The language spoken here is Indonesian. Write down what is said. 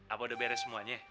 atau udah beres semuanya